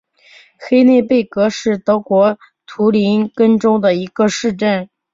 黑内贝格是德国图林根州的一个市镇。